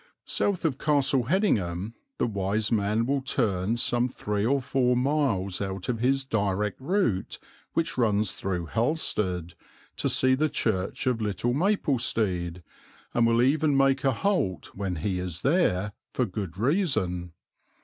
South of Castle Hedingham the wise man will turn some three or four miles out of his direct route, which runs through Halstead, to see the church of Little Maplestead, and will even make a halt when he is there, for good reason.